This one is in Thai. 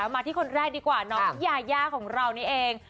มาที่คนแรกดีกว่าน้องยายาของเรานี่เอง